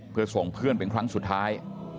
เพื่อส่งเพื่อนเป็นครั้งสุดท้าย